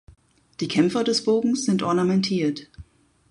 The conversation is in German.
Die Kämpfer des Bogens sind ornamentiert.